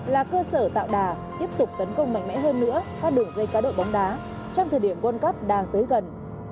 là cơ sở tạo đà tiếp tục tấn công mạnh mẽ hơn nữa các đường dây cá độ bóng đá trong thời điểm world cup đang tới gần